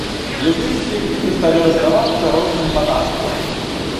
Езуіцкія кнігі сталі раздавацца розным манаства.